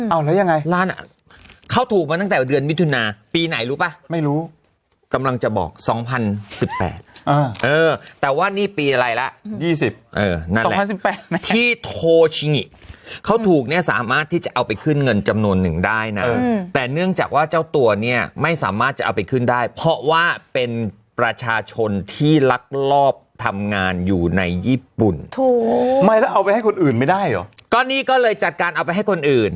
เอาแล้วยังไงร้านอ่ะเขาถูกมาตั้งแต่เดือนมิถุนาปีไหนรู้ป่ะไม่รู้กำลังจะบอก๒๐๑๘แต่ว่านี่ปีอะไรละ๒๐๑๘ที่โทชิงิเขาถูกเนี่ยสามารถที่จะเอาไปขึ้นเงินจำนวนหนึ่งได้นะแต่เนื่องจากว่าเจ้าตัวเนี่ยไม่สามารถจะเอาไปขึ้นได้เพราะว่าเป็นประชาชนที่ลักลอบทำงานอยู่ในญี่ปุ่นไม่แล้วเอาไปให้คนอื่นไม่ได้เหรอก็นี่ก็เลยจัดการเอาไปให้คนอื่น